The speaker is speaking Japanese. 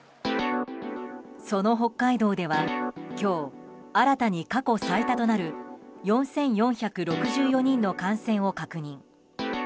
その北海道では今日、新たに過去最多となる４４６４人の感染を確認。